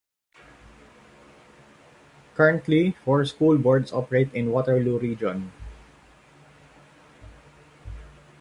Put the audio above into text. Currently, four school boards operate in Waterloo Region.